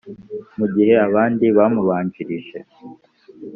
Mu gihe abandi bamubanjirije